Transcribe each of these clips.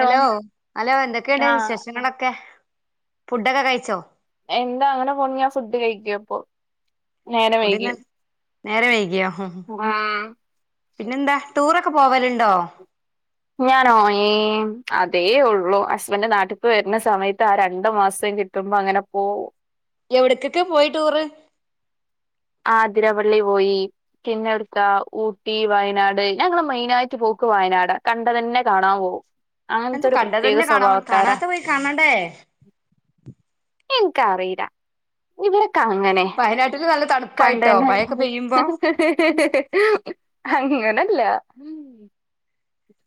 Hello hello എന്തൊക്കെയുണ്ട് ആഹ് വിശേഷങ്ങളൊക്കെ ഫുഡൊക്കെ കഴിച്ചോ എന്താ അങ്ങനെ പോണ ഞാൻ ഫുഡ് കഴിക്ക പ്പോ നേരെ വൈകകി നേരെ വൈിക്കിയോ പിന്നെന്താ ടൂറൊക്കെ പോവലുണ്ടോ ഞാൻ ഏ അതേ ഉള്ളു ഹസ്ബന്റ് നാട്ടിക് വരുന്ന സമയത്ത് ആ രണ്ട് മാസം കിട്ടുമ്പ അങ്ങനെപ്പോ എവിടക്കൊക്കെ പോയി ടൂറ് ആതിരപ്പള്ളി പോയി പിന്നെ എടുക്ക ഊട്ടി വയനാട് ഞങ്ങള് മെയിനായ്യിട്ട് പോ വയനാട് കണ്ട തന്നെ കാണാൻ പോവും എന്താ അങ്ങനത്തെൊരു പ്രത്യേക കണ്ടതന്നെ കാണാൻ സ്വഭാവക്കാരാ കാണാത്ത പോയി കാണണ്ടേ എനി ക്ക് അറിയില്ല ഇവിടക്കെ ങ്ങനെ വയനാട്ടില് നല്ല തണുപ്പായിട്ടോ മഴയൊക്കെ കണ്ടന്ന്നായിരിക്കും പെയ്യുമ്പോ [unintelligible] അങ്ങനെ ഇല്ല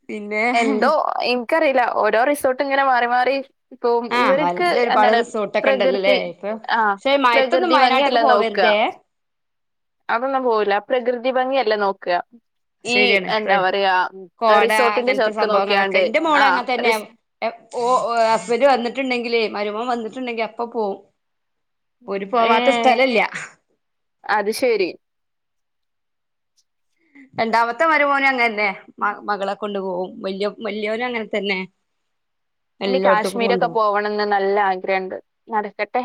പിന്നെ എന്തോ [unintelligible] എനിക്കറിയില്ല ഓരോ റിസോർട്ടും ഇങ്ങനെ മാറി മാറി ഇപ്പം ആഹ് ഇവർക്ക് വയനാട്ടില് ഒരുപാട് എന്താണ് റിസോർട്ട്ൊക്കെ ഉണ്ടല്ലോല്ലേ പ്രകൃതി ഇപ്പൊ ആ പക്ഷേ മയത്തൊന്നും പ്രകൃതി ഭംഗിയല്ല വയനാട്ടക്ക് നോക്കുക പോവരുതേ [unintelligible] അതൊന്നും പോവില്ല പ്രകൃതി ഭംഗിയല്ലേ നോക്കുക ഈ ശരിയാണ് പ്ര എന്താ പറയാ കോട റിസോർട്ടിന്റെ അങ്ങനത്തെ ചെർക്ക് സംഭവങ്ങളൊക്കെ നോക്കിയാണ്ട് എന്റെ മോള ആ അങ്ങനെ തന്നെ റിസ് ഓ ഹസ്ബന്ഡ് വന്നിട്ടുണ്ടെങ്കിൽ ല്ലേ മരുമം വന്നിട്ടുണ്ടെങ്കി അപ്പ പോകവും ഒരു ഏ പോവാത്ത സ്ഥലല്ല അത് ശരി രണ്ടാമത്തെ മരുമോന് അങ്ങന്നെ മകളെ കൊണ്ടു പോകും വല്യാ വലിയോനും അങ്ങനെ തന്നെ ഇനി എല്ലോട്ത്ത്ക്കും കാശ്മീരൊക്കെ കൊണ്ടോവും പോവണംന്ന് നല്ല ആഗ്രഹംുണ്ട് നടക്കട്ടെ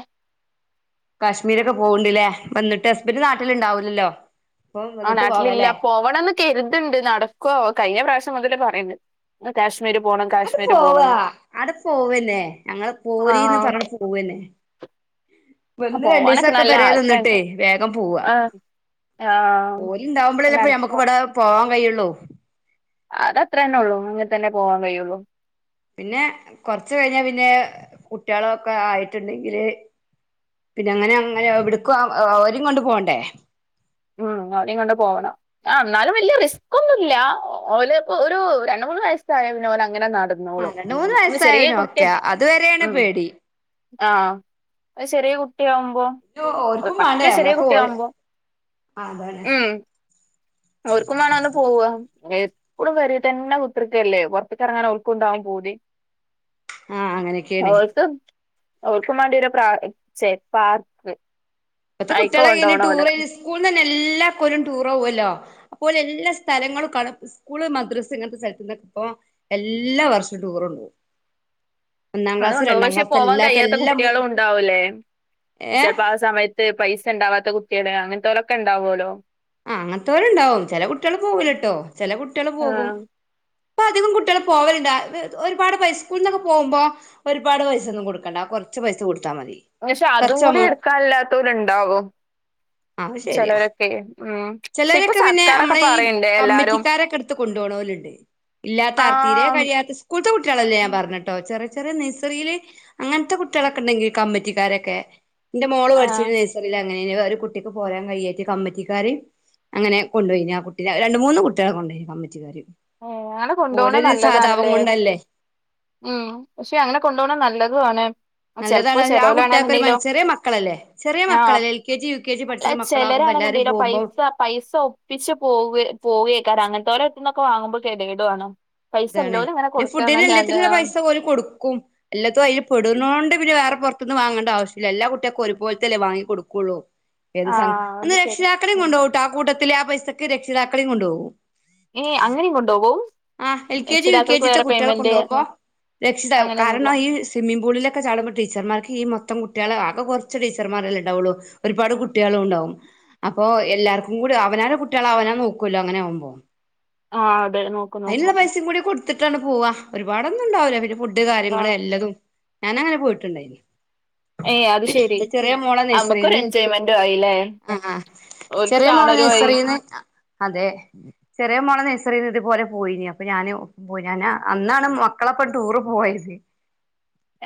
കാശ്മീരൊക്കെ പോവണ്ടില്ലേ വന്നിട്ട് ഹസ്ബണ്ട് ന്നാട്ടിലുണ്ടാവൂില്ലല്ലോ ആ നാട്ടിലില്ല പോവണംന്ന് കരുതുണ്ട് നടക്കോവം കഴിഞ്ഞ പ്രാവശ്യം [unintelligible] [unintelligible] അങ്ങോട്ട് കാശ്മീർ പോണം പോവാ എന്ന്. അടെ പോവന്നെ ഞങ്ങൾ ആ പോരിീന്ന് പറഞ്ഞ പോവന്നെ വന്ന് പോവാനൊക്കെ രണ്ടീസൊക്കെ നല്ല പെരേ ആഗ്രഹണ്ട് നിന്നിട്ടേ വേഗം പോവാ ആഹ് ആഹ് ഓല് ഇണ്ടാവുമ്പോളല്ലപ്പ മക്ക് നടക്ക ഇവിടെ പോവാൻ കഴിയുള്ളു അത് അത്ര തന്നെ ഉള്ളൂ അങ്ങനെ തന്നെ പോവാൻ കഴിയുള്ളു പിന്നെ കൊറച്ച് കഴിഞ്ഞാ പിന്നെ കുട്ടികളൊക്കെ ആയിട്ടുണ്ടെങ്കില് പിന്നെ അങ്ങനെ അങ്ങനെ എവിടക്കും അവരും കൊണ്ട് പോകണ്ടേ ഉം അവനും കൊണ്ട് പോകണം എന്നാലും വലിയ റിസ്ക്ന്നു ല്ല ഒരു രണ്ട മൂ മൂന്നു വയസ്സായ പിന്നെ ഓലങ്ങനെ ആ നടന്നോളും രണ്ട് മൂന്ന് ചെറ്യേ വയസ്സായവന് കുട്ടിയെ ഓക്കെയ അതുവരെയാണ് മ് പേടി ആഹ് ചെര്യേ കു ഓര്ക്കും വാണ്ടേ മ്മളെക്കെ ഓല് കുട്ടിയാവുമ്പോ അതന്നെ ഓൽക്കും വാണോലോ പോവാ എപ്പളും പെരീതന്നെ കുത്തിര്ക്കല്ലേ പൊർത്തെർങ്ങാന് ഓൽക്കൂണ്ടാവും പൂതി ആ അങ്ങനെയൊക്കെയാണ് ആഹ് ഓൽക്കും ഓൾക്കും വാണ്ട്യേരും പ്രാ ച്ചെ പാർക്ക് ഇപ്പത്തെ അയിക്ക് കുട്ട്യാളെങ്ങനെ കൊണ്ടോണം ഓലെ ടൂറൈന് സ്കൂൾനെന്നെ എല്ലാ കൊല്ലോം ടൂറോവല്ലോ അപ്പോലെല്ലാ സ്ഥലങ്ങളും കാണും സ്കൂള്, മദ്രസ് ങ്ങൻത്തെ സ്ഥലത്ത്നൊക്കെ അപ്പൊ എല്ലാ വർഷോം ടൂറൊണ്ടോവും. അത് കൊണ്ടോവും പക്ഷെ പോവാൻ അല്ലാത്ത കഴിയാത്ത എല്ലാ കുട്ട്യാളുണ്ടാവൂലേ ഏ ചെൽപ്പോ ആ സമയത്ത് പൈസ പൈസണ്ടാവാത്ത കുട്ട്യാള് അങ്ങൻത്തോലൊക്കെ ണ്ടാവോലോ ആഹ് അങ്ങൻത്തോല്ണ്ടാവും. ചെല കുട്ട്യാള് പോവൂലട്ടോ ചെല കുട്ട്യാള് പോകും ആഹ്. ഇപ്പ അധികം കുട്ട്യാളും പോവല്ണ്ട് ഒര്പാട് പൈസ സ്കൂൾ ന്നൊക്കെ പോക്മ്പോ ഒര്പാട് പൈസൊന്നും കൊട്ക്കണ്ട കൊർ കുറച്ച് പൈസ കൊട് പക്ഷെ അതും കൂടി ഇട്ക്കാല്ലാത്തോല് ണ്ടാവും. ചെലരൊക്കെയ് മ് ചെലരൊക്കെ പിന്നെ ഞമ്മളെ ഈ എല്ലാരും കമ്മിറ്റിക്കാരൊക്കെ ട്ത്ത് കൊണ്ടോണോല്ണ്ട് ഇല്ലാത്ത ആർ തീരെ ആഹ് കഴിയാത്ത സ്കൂളത്തെ കുട്ട്യാളല്ല ഞാം ഉം പറഞ്ഞത്ട്ടോ ചെറ് ചെറിയ നഴ്സറീല് അങ്ങനത്തെ കുട്ട്യാളൊക്കെ ണ്ടെങ്കി കമ്മറ്റിക്കാരക്കെ ന്റെ മോള് ആഹ് പഠിചീന്ന നഴ്സറീല് അങ്ങനേന്നു ഒര് കുട്ടിക്ക് പോരാൻ കഴിയാഞ്ഞിട്ട് കമ്മെറ്റിക്കാര് അങ്ങനെ കൊണ്ടോയ്ന് ആ കുട്ടിനെ രണ്ട് മൂന്ന് കുട്ട്യാളെ കൊണ്ടോയ്നി കമ്മെറ്റിക്കാര് ഏ അങ്ങനെ കൊണ്ടുപോണം നല്ലതാണല്ലേ കൊണ്ടല്ലേ ഉം പക്ഷെ അങ്ങനെ കൊണ്ടുപോണം നല്ലത് ത്തോനെ [unintelligible] നല്ലതാണ് ആ കുട്ടികൾക്കെ ഒരു ചെറിയ മക്കളല്ലേ ചെറിയ മക്കളല്ല L K G U K G പഠിച്ച്ണ മക്കളാകുമ്പോ എല്ലാരും ണ്ടല്ലോ പോകുമ്പോൾ പൈസ പൈസ ഒപ്പിച്ച് പോവെ പോവേ കാരം അങ്ങൻത്തോലെര്ട് ത്ത്ന്നൊക്കെ വാങ്ങുമ്പോ കെത്യേടുആണ് ഇതാണ് പിന്നെ ഫുഡിന് എല്ലാത്തിനുള്ള പൈസ പോലെ കൊടുക്കും എല്ലാത്തും അൽ പെടുന്നൊണ്ട് പിന്നെ വേറെ പുറത്തുന്നു വാങ്ങണ്ട ആവശ്യല്ല. എല്ലാ കുട്ട്യാൾക്കും ഒര്പോൽത്തല്ലെ വാങ്ങി കൊട്ക്കൊള്ളു ഏത് സം ആഹ് അത് ശരി രക്ഷിതാക്കളേം ഉം കൊണ്ടോവുട്ടോ ആകൂട്ടത്തില് രക്ഷിതാക്കളീം കൊണ്ടോവും. ഏ അങ്ങനീം കൊണ്ടോവോ ആഹ് L K G, U K ജീത്തെ കുട്ട്യാളെ കൊണ്ടോവുമ്പോ രക്ഷിതാവ് അങ്ങനെയൊന്നുല്ല കാരണം ഈ സ്വിമ്മിം പൂളിലൊക്കെ ചാടുമ്പോ ടീച്ചർമാർക്ക് ഈ മൊത്തം കുട്ട് കുട്ട്യാളെ ആകെ കോർച്ച് ടീച്ചർമാരല്ലേ ണ്ടാവൊള്ളൂ. ഒര്പാട് കുട്ട്യാളും ണ്ടാവും. അപ്പോ എല്ലാര്ക്കും കൂ അവനാന്റെ കുട്ട്യാളെ അവനാൻ നോക്കല്ലോ അങ്ങനാവുമ്പോ. ആഹ് അതെ നോക്കും അയ്ന്ള്ള നോക്കും പൈസീം കൂടി കൊട്ത്ത്ട്ടാണ് പോവാ. ഒര്പാടൊന്നും ണ്ടാവൂല പിന്നെ ഫുഡ്ഡ് കാര്യങ്ങള് ആഹ് എല്ലതും ഞാന ങ്ങനെ പോയിട്ട്ണ്ടായ്നി. ഏയ് അത് ശെരി ന്റെ ചെറ്യേ മോളെ നമ്മുക്കൊരു നെയ്സറീന്ന് എൻജോയ്മെന്റും ആയില്ലേ ആഹ് ആഹ് ഓൽക്ക് ചെറ്യേ മോളെ കാണലും ആയി നയ്സറീന്ന്. അതെ ചെറ്യേ മോളെ നെയ്സെറീന്ന് തേപോലെ പോയീനി അപ്പ ഞാന് പോയി ഞാ അന്നാണ് മക്കളെപ്പ ടൂറ് പോയത്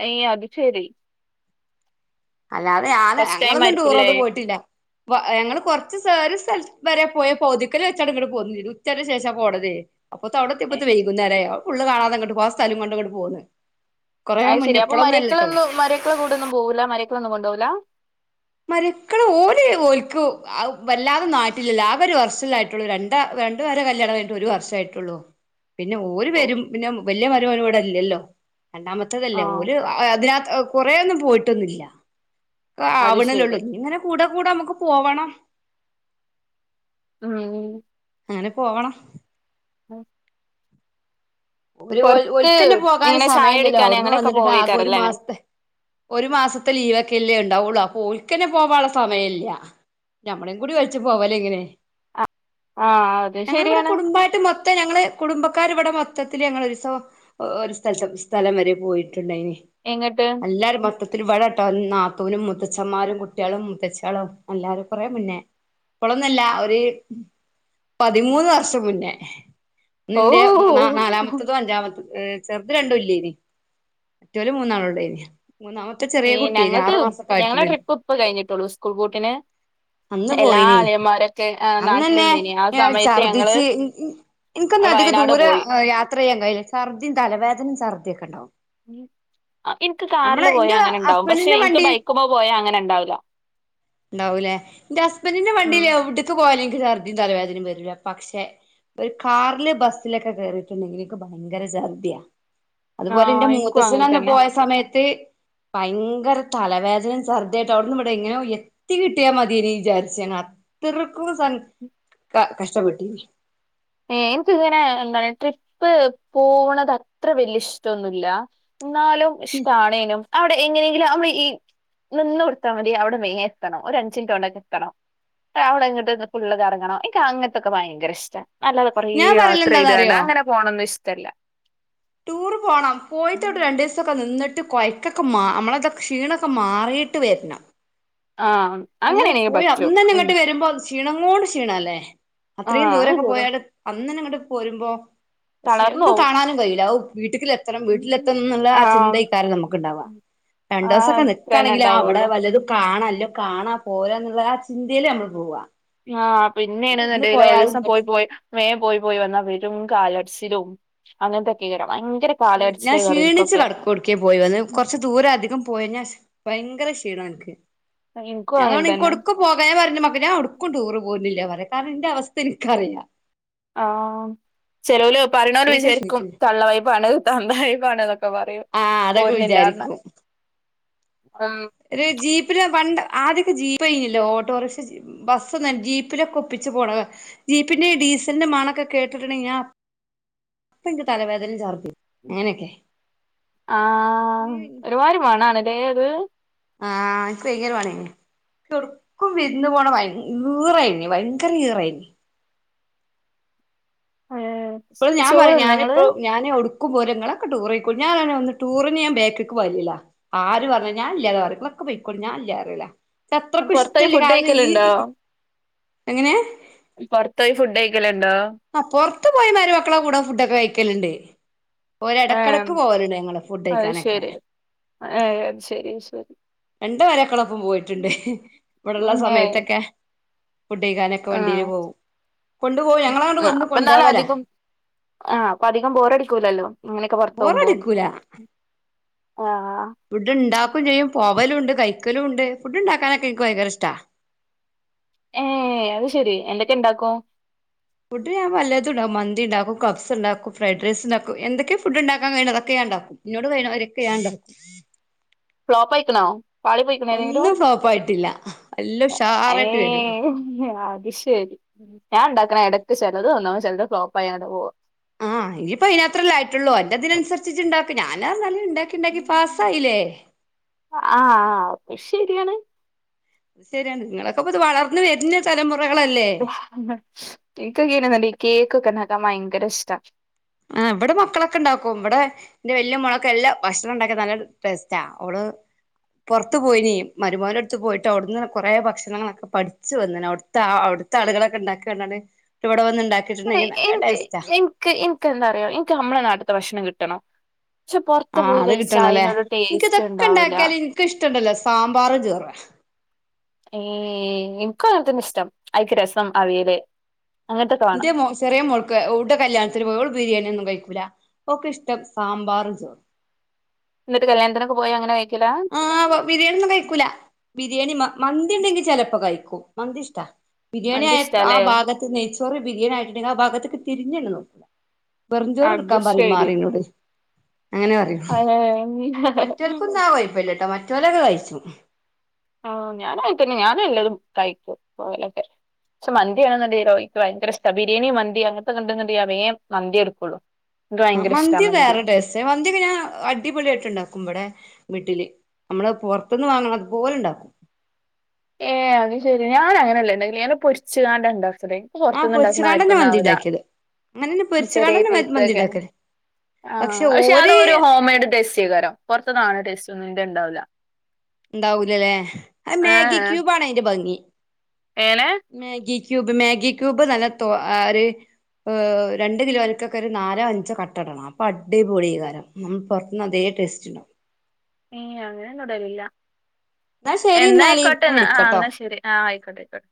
ഏയ് അത് ശെരി അല്ലാതെ ഞാന് ഫസ്റ്റ് ടൈം ഞങ്ങളൊന്നും ആയിരിക്കുംല്ലേ ടൂറോന്നും പോയ്ട്ടില്ല. ഞങ്ങള് കൊർച്ച് സേർ സ്ഥല വേ പോയ പൗതുക്കലൽ വെച്ചാണ് ഇങ്ങട്ടടെ പോകുന്ന ഉച്ചേ ശേഷ പോണേതെ അപ്പൊ അവിടത്തെപതന്നെ വൈകുന്നേരേ ഫുള്ള് കാണാതെങ്ങട്ട് പോ ആ സ്ഥലം കണ്ട്ങ്ങട്ട് പോന്ന് കൊറേ അത് ശെരി മുന്നേ അപ്പ ഇപ്പളൊന്നും അല്ലട്ടോ മര്ക്കളൊന്നും മര്ക്കളെ കൂടൊന്നും പോവൂല. മര്ക്കളൊന്നും കൊണ്ടോവൂല മര്ക്കള് ഓല് ഓൽക്ക് അഹ് വല്ലാതെ നാട്ടില്ലല്ലോ ആകെ ഒര് വർഷല്ലേ ആയിട്ട്ള്ളു രണ്ട രണ്ട് പേരെ കല്യാണം കൈഞ്ഞ്ട്ടും ഒര് വർഷായ്ട്ടൊള്ളു പിന്നെ ഓര് വെരും പിന്നെ വല്യ മരോന് വടെ ല്ലല്ലോ രണ്ടാമത്തേതല്ലേ ആഹ് ഓല് അതിനക കൊറേന്നും പോയിട്ടൊന്നുല്ല. അത് ശെരി ആവണല്ലേള്ളു ഞ്ഞിങ്ങനെ കൂടെ അ കൂടെ നമുക്ക് പോവണം. ആ അങ്ങനെ പോവണം. [inaudible] ഒരു ഒരു പൊറത്ത് ഓൽക്കെന്നെ പോകാൻ ഇങ്ങനെ ചായ സമയല്ലല്ലോ കുടിക്കാന് അവിടുന്ന് അങ്ങനെയൊക്കെ വന്നിട്ടിണ്ട് ആകെ ഒരു പോവേക്കാരല്ലേ മാസത്തെ ഒരു മാസത്തെ ലീവൊക്കെല്ലേ? ണ്ടാവൊള്ളു അപ്പോ ഓല്ക്കെന്നെ പോവാള്ള സമയല്ല ഞമ്മളീം കൂടി വലിച്ചു പോവലെങ്ങനെ? ആഹ് അത് ഞങ്ങളിവിടെ ശരിയാണ് കുടുംബായിട്ട് മൊത്തം ഞങ്ങള് കുടുംബ ക്കാർ ഇവിടെ മൊത്തത്തിൽ ഞങ്ങളൊരീസം ഒരു സ്ഥലത്ത് സ്ഥലം വരെ പോയി. ണ്ടായിന് എങ്ങട്ട് എല്ലാരും മൊത്ത ത്തത്തില് നാത്തൂനും മുത്തച്ഛമാരും കുട്ട്യാളും മൂത്തച്യാളും എല്ലാരും കുറെ മുന്നേ ഇപ്പോളൊന്നല്ല ഒരു പതിമൂന്ന് വർഷം മുന്നേ ന്ന് ഓ ന്റെ മൂന്നാ നാലാമത്തതും അഞ്ചാമത്തും. ഏ ചെറുത് രണ്ടും ഇല്ലേന് മറ്റോല് മൂന്നാളുണ്ടെയ്നി. മൂന്നാമത്തെ ചെറിയ ഈ കുട്ടിയെയ്നു ഞങ്ങൾത് ആറു മാസക്കെ ഞങ്ങളെ ആയിട്ടൊള്ളേ നി. ട്രിപ്പ് ഇപ്പ കഴിഞ്ഞിട്ടുള്ളൂ സ്കൂൾ പൂട്ടിന് അന്ന് എല്ലാ പോയിനി അളിയന്മാരൊക്കെ അന്നന്നെ നാട്ടിലുണ്ടേനി ആ ഞാൻ സമയത്ത് ഞങ്ങള് ഛർദിച്ച്. ൻക്കൊന്നും അധികം വയനാട് ദൂര പോയി യാത്ര ചെയ്യാൻ കഴിയില്ല ഛർദിയും തലവേദനയും ചർദിയൊക്കെ ണ്ടാവും. ആ ൻക്ക് കാറില് പോയാ അങ്ങനെ ണ്ടാവും പക്ഷെ ഹസ്ബൻഡിന്റെ ൻക്ക് വണ്ടി ബൈക്കുമ്മെ പോയാ അങ്ങനെ ണ്ടാവൂല. ഉണ്ടാവൂലേ ന്റെ ഹസ്ബൻഡറിന്റെ ഉം വണ്ടീല് എവിട്ക്ക് പോയാലും ൻക്ക് ശർദ്ദി തലവേനേം വരൂല്ല പക്ഷെ ഒരു കാറില് ബസ്സിലൊക്കെ കേറിട്ടുണ്ടെങ്കിൽ ൻക്ക് ഭയങ്കര ചർദിയാ അതുപോലെ ആഹ് ന്റെ ഇൻക്കും അങ്ങൻ മൂത്തച്ചനന്ന് തന്നെ പോയ സമയത്ത്. ഭയങ്കര തലവേദനയും ശർദായിട്ട് അവിടുന്ന് ഇവിടെ എങ്ങനെ ത്തി കിട്ടിയാൽ മതേനി വിചാരിച്ച് ഞാൻ അത്രക്കും സ ക കഷ്ടപ്പെട്. ഏ എനക്ക്ങ്ങനെ എന്താണ് ട്രിപ്പ് പോവണത് അത്ര വല്യ ഇഷ് ടൊന്നുല്ല. എന്നാലും ഇഷ്ടം ആണേനും. അവിടെ എങ്ങനെയെങ്കിലും അ ഈ നിന്ന് കൊടുത്താ മതി അവിടെ മെയ് നായെത്തണം ഒരു അഞ്ച് മിൻറ്റോ ണ്ടൊക്കെ എത്തണം. അവടെ ങ്ങട്ട് ഫുള്ള് കറങ്ങണം ൻക്ക് അങ്ങനത്തൊക്കെ ഭയങ്കര ഇഷ്ട- അല്ലാതെ കൊറേ ഞാൻ പറയല് യാത്ര ചെയ്താണ്ട് എന്താന്നറിയോ അങ്ങനെ പോണൊന്നും ഇഷ്ടല്ല. ടൂർ പോണം പോയിട്ട വിടെ രണ്ടീസൊക്കെ നിന്നിട്ട്. ട്ട് കൊയ്ക്കൊക്കെ മാ നമ്മളത ക്ഷീണൊക്കെ മാറിട്ട് വെര്ണം. ആഹ് അല്ലാതെ അങ്ങനെയാണെങ്കി പോയി പറ്റും അന്ന് തന്നെ ഉം ങ്ങട്ട് വെരുമ്പോ ക്ഷീണങ്ങങ്ങോണ്ട് ക്ഷീണല്ലേ ആഹ് അത്രയും അത് ദൂരൊക്കെ ശരിയാ പോയാട് അന്നെന്നെ ങ്ങട്ട് പോരുമ്പോ? ക്ഷേ തളർന്നു ഒന്നും പോവും. കാണാനും കയ്യൂല്ല വീട്ടിൽ ട്ടിലെത്തണം വീട്ടിലെത്തണം ന്ന്ള്ള ആ ആഹ് ചിന്തേക്കാരം നമുക്ക്ണ്ടാവാ രണ്ടു ആ ദിവസൊക്കെ അത്രന്നെ നിക്കാണെങ്കിൽ ആ അവിടെ ഉണ്ടാവുള്ളൂ. വല്ലതും കാണാ ല്ലോ കാണാ പോരാ ന്ന്ള്ള ആ ചിന്തേല് ഞമ്മള് പോവാ ആ ഇത് ഇന്ന് പിന്നെണ്ന്ന്ണ്ടേല് പോയാ അത് ഒരിസം പോയി ഇങ്ങട്ട് പോയി വേ പോയി പോയി വന്നാൽ പെരും കാല് ചിലും അങ്ങനത്തൊക്കേക്കാരം. ഞാൻ ക്ഷീണിച്ച് കെട്ക്കും എവ്ട്ക്കേ പോയി വന്ന് കൊറച്ച് ദൂരം അധികം പോയിയയ്ഞാ വയങ്കര ക്ഷീണ ഇൻക്ക് ഇൻക്കും അങ്ങൻ അതോണ്ട് ഇൻക്ക് തന്നെ എവട്ക്കും പോകാൻ ഞാൻ പറയും മക്കളോട് ഒടുക്കും ടൂർ പോരുന്നില്ലാന്ന് പറയും. കാരണം ന്റെ അവസ്ഥ ഇൻക്കറിയാ ആ ചെലോൽ പറയണോൽ വിചാരിക്കും തള്ളവയ്പാണ് തന്തവയ്പാണ് ന്നൊക്കെ പറയും. ആ അതൊക്കെ പോര്നില്ലാർഞ്ഞാ വിചാരിക്കു. ഒരു ജീപ്പിൽ പണ്ട ആദ്യൊക്കെ ജീപ്പ് കഴിഞ്ഞല്ലോ ഓട്ടോറിക്ഷ ബസ് ജീപ്പിലൊക്കെ ഒപ്പിച്ച് പോണ ജീപ്പിന്റെ ഡിസന്റെ മണൊക്കെ കേട്ടിട്ടു ഞാ അപ്പ എന്റെ തലവേദനയും ചർദ്ദിയും. ആ ഒരുമാതിരി മണാണല്ലേ അത് ആ എനക്ക് പയങ്കര വടയരുന്നു ചെടക്കും വിന്ന് പോണ ഭ ഈറായിന ഭയങ്കര ഈറായിന് ഉം ഇപ്പൾ ഞാൻ ചോറ് പറയും തിന്നോ ഇങ്ങള് ഞാനിപ്പ ഞാന് പക്കും പോരങ്ങളൊക്കെ ടൂറ ഞാനെ ഒന്ന് ടൂറിന് ഞാൻ ബേക്കക്ക് പോല്ലില്ല ആര് പറഞ്ഞാ ഇല്ലാതെ പോയിക്കൊളഞ്ഞ ഞാൻ അല്ല അറല്ല ക്ഷ അത്രക്കും പൊർത്തോയി ഇഷ്ടമല്ല ഫുഡ് കാരണം കഴിക്കല്ണ്ടോ അങ്ങനെ പുറത്ത പോയി ഫുഡ് കായിക്കൽ ആ പുറത്ത് പോയേര മക്കളെ കൂടാ ഫുഡ്ക്കെ കഴിക്കലുണ്ട് ഇടക്കിടക്ക് ഏഹ് പോവലണ്ട് ഞങ്ങള് ഫുഡ് അത് കഴിക്കാനൊക്കെ ശെരി ഏഹ് അത് ശെരി ശെരി രണ്ടു മരക്കളപ്പം പോയിട്ടുണ്ട് ഇവിടെള്ള ഏഹ് സമയത്തൊക്കെ ഫുഡ്ഴകാനൊക്കെ ആഹ് വണ്ടിയില് പോകവും കൊണ്ട് പോകും ഞങ്ങളങ്ങൊണ്ട് ആ വന്ന് അപ്പൊ എന്നാലും കൊണ്ടുപവല്ലെ അധികം ആ അപ്പൊ അധികം ബോറടിക്കൂലല്ലോ അങ്ങനെയൊക്കെ പുറത്തകുമ്പോ ബോറടിക്കൂല ഇവിടുണ്ടാ ചെയ്യും പോവലും ഉണ്ട് കൈക്കലും ഉണ്ട് ഫുഡ് ഉണ്ടാക്കാനൊക്കെ എനിക്ക് ഭയങ്കര ഇഷ്ട ഏ അത് ശെരി എന്തൊക്കെ ഇണ്ടാക്കോ ഫുഡ് ഞൻല്ലത ഉണ്ടും മന്തി ഉണ്ടാക്കും കബ്സ് ഉണ്ടാക്കും ഫ്രഡ് റൈസ്ണ്ടാക്കും എന്തൊക്കെ ഫുഡ് ഉണ്ടാക്കാൻ കഴിഞ്ഞതെ അതൊക്കെ ഞാൻ ണ്ടാക്കുംന്നോട് അവരൊക്കെയാണ്ടാക്കും ഫ്ലോപ്പ് ഐക്കണോ പാളി പോയിക്കണെങ്കിലോ ഒന്നും ഫ്ലോപ്പായിട്ടില്ല എല്ലാം ഉഷാറായിട്ട് വരുള്ളൂ ഏതക്കിലും ഏ... ശരി ഞാൻ ഉണ്ടാക്കണ ഇടക്ക് ചിലത് ഒന്നാ ചിലത് നന്നാവും ചെലത് ഫ്ലോപ്പ് ആയി അവിടെ പോവാ ആ ഇനി ഇപ്പ അതിന അത്രല്ലായിട്ടുള്ളു എന്റെറെതിനനുസരിട്ടുണ്ടാക്ക ഞാനാ ഇണ്ടാക്കി ഇണ്ടാക്കി പാസ്സായില്ലേ ആ അപ്പൊ ശരിയാണ് അത് ശരിയാണ് നിങ്ങളൊക്കെ ഇ ഇത് വളർന്നു വരുന്ന തലമുറ ഇന്ക് ക്കെയുണ്ടല്ലോ കേക്ക് ഉണ്ടാ പയങ്കര ഷ്ട ആ ഇവിടെ മക്കളൊക്കെ ഉണ്ടാക്കും ഇവിടെന്റെ വല്യ മുളക്കെ എല്ല ഭക്ഷണം ഉണ്ടാക്കിയ നല്ലൊരു ടേസ്റ്റാ ഓൾ ആ പുറത്ത് പോയിന മരുമോൻ അടുത്ത് പോയിട്ട് അവിടുന്ന് കുറേ ഭക്ഷണങ്ങളൊക്കെ പഠിച്ചു വന്ന അവിടുത്തെ അടുത്ത ആളുകളൊക്കെ ഉണ്ടാക്കണ്ടാണ് ഇ ഇവിടെ വന്ന് ഇണ്ടാക്കിട്ടുണ്ടെങ്കിൽ നല്ല ടേസ്റ്റ എന്താറ എനിക്ക് നമ്മളെ നാട്ടത്തെ ഭക്ഷണം കിട്ടണം പക്ഷെ പൊറത്ത് ആഹ് പോയി അത് കഴിച്ചാ കിട്ടണല്ലേ അതിനൊരു ടേസ്റ്റ് ഉണ്ടാവൂല ണ്ടല്ലോ സാമ്പാറ ചോറ ഏ ഇൻകോ അന്തന് ഇഷ്ടം അഐക്ക രസം അവിയാൽ എന്റെ ചെറിയ മുൾക്ക് ഉവിടെല്യാണത്തിന് പോയോൾ ബിരിയാണി ഒന്ന കഴിക്കും ഒക്കെ ഇഷ്ടം സാമ്പാർ ചോറ് എന്നിട്ട് കല്യാത്തിനൊക്ക പോ അങ്ങനെ കഴിക്കല ആ ബിരിയാണി ഒന്നും കഴിക്കൂല ബിരിയാണി മന്തി ഉണ്ടെങ്കിൽ ചിലപ്പോ കഴിക്കും മന്തി ഇഷ്ട്ട ബിരിയാണി അനക്ക് ആ ആ ഇഷ്ടാല്ലേ ഭാഗത്ത് നെയ്ച്ചോറി ബിരിയാണി ആയിട്ടുണ്ടെങ്കിൽ ആ ഭാഗത്ത് തിരിഞ്ഞന്നെ നോക്ക വെറുംചോറ് അത് എടുക്കാൻ പറയും ശരി മാറിനോട് അങ്ങനെ പറയൂ ഏ, മറ്റവർക്കൊന്നാ കുഴപ്പില്ലട്ടോ മറ്റവലൊക്കെ കഴച്ചു ആ ഞാനയി തന്നെ ഞാന എല്ലരും കഴിക്കും പോലൊക്കെ പക്ഷെ മന്തിയാണെന്നുണ്ടല്ലോക്ക് ഭയങ്കര ഇ്ട ബിരിയാണി മന്തി അങ്ങനത്തെ കണ്ടുണ്ട മേൻ മന്തി എടുക്കുള്ളു ആ മന്തി വേറെ ടേസ്റ്റ മന്തിയൊക്കെ ഞാൻ അടിപൊളിയ ആയിട്ട് ഉണ്ടാക്കുമ്പടെ വീട്ടില് നമ്മള് പുറത്തന്ന് വാങ്ങണം അതുപോലെ ഇണ്ടാക്കും ഏ അത് ശരി ഞാന അങ്ങനല്ലേണ്ടെങ്ക ങ്ങനെ പൊരിച്ച് കാണ്ടുണ്ടോ ഇപ്പ ആ പുൊറത്തൊന്നും ഇണ്ടാക്കുന്ന പൊരിച്ചുകാണ്ടന്നെ ആത്തൊന്നും മന്തി ആവില്ല ഉണ്ടാക്കിയത് അങ്ങനെന്നെ ചെറിയ പൊരിച്ചുകാണ്ടന്നെ മന്തി പസൊക്കെ ഉണ്ടാക്കല് ആ പക്ഷെ അതോ ഹോം മെയ്ഡ് ടെസ്റ്റ് ചെയ്തുതരാം പുറത്തതണ ടെസ്റ്റ് ഒന്നുംറെ ഇണ്ടാവില്ല ഉണ്ടാവൂലല്ലേ ആ മാഗി ഏഹ് ക്യൂബ ആണ് അതിന്റെ ഭംഗി. ഏനെ മാഗി കൂബ് മ മാഗി ക്യുബബതല്ലത്തോ ആര് ഹ് രണ്ട് കിലോ അരക്കൊക്കെ ഒരു നാലോ, അഞ്ചോ, കട്ടടണം അപ്പൊ അടിപൊടികാരം. നമ്മ പുറത്ത് അതേ ടേസ്റ്റിനോ അങ്ങനെ തുടലില്ല ശരി എന്നാ എന്നാല് പിന്നെ ആയിക്കോട്ടെന്ന് ആ വിളിക്കാട്ടോ എന്നാ ശരി. ആഹ ആയിക്കോട്ടെ. ആയിക്കോട്ടെ.